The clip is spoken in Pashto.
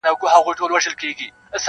• هر سړی یې رانیولو ته تیار وي -